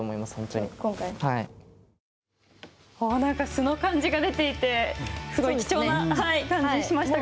素の感じが出ていて、すごい貴重な感じがしましたが。